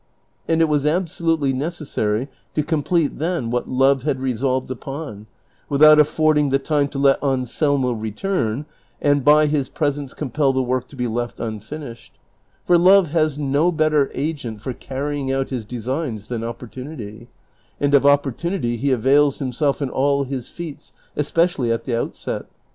and it was alisolutely necessary to complete then what love had re solved upon, without affording" the time to let Anselmo return and by his presence compel the work to be left unfinished ; for love has no better agent for carrying out his designs than opportunity ; and of opportunity he avails himself in all his feats, especially at the outset.